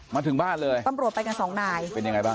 มาถึงบ้านเลยตำรวจไปกันสองนายเป็นยังไงบ้าง